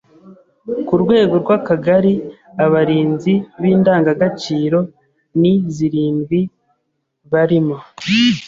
Ku rwego rw’Akagari abarinzi b’indangagaciro ni zrindwi barimo